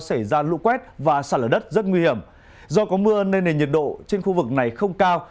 xảy ra lũ quét và sạt lở đất rất nguy hiểm do có mưa nên nền nhiệt độ trên khu vực này không cao